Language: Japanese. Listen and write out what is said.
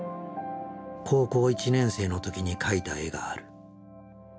高校１年生の時に描いた絵がある。